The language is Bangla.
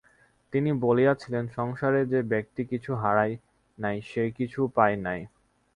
তিনি বলিয়াছিলেন, সংসারে যে ব্যক্তি কিছু হারায় নাই সে কিছু পায় নাই।